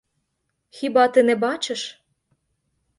Хіба ти не бачиш?